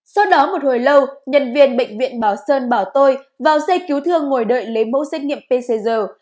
sau đó một hồi lâu nhân viên bệnh viện bảo sơn bảo tôi vào xe cứu thương ngồi đợi lấy mẫu xét nghiệm pcr